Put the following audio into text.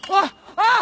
あっ！